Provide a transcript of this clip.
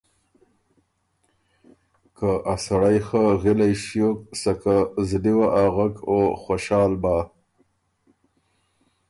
که ”ا سړئ خه غِلئ ݭیوک سکه زلی وه اغک او خؤشال بۀ،